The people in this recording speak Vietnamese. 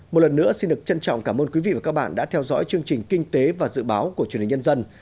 một lần nữa xin được trân trọng cảm ơn quý vị và các bạn đã theo dõi chương trình kinh tế và dự báo của truyền hình nhân dân